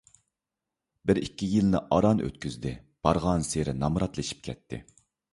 بىر - ئىككى يىلنى ئاران ئۆتكۈزدى، بارغانسېرى نامراتلىشىپ كەتتى.